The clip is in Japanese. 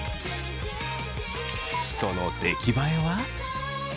その出来栄えは？